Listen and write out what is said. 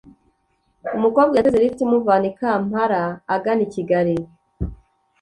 umukobwa yateze lift imuvana i kampala agana i kigali,